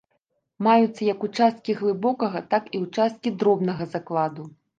Маюцца як ўчасткі глыбокага, так і ўчасткі дробнага закладу.